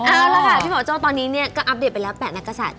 ครับแล้วค่ะพี่บอกว่าเจ้าตอนนี้เนี่ยก็อัปเดตไปแล้ว๘นักศัตริย์